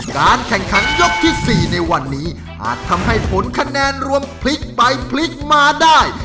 การแข่งขันยกที่๔ในวันนี้อาจทำให้ผลคะแนนรวมพลิกไปพลิกมาได้